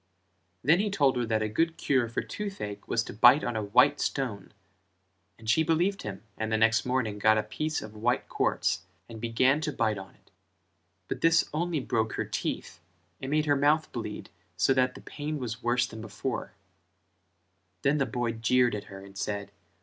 Then he told her that a good cure for toothache was to bite on a white stone and she believed him and the next morning got a piece of white quartz and began to bite on it; but this only broke her teeth and made her mouth bleed so that the pain was worse than before: then the boy jeered at her and said.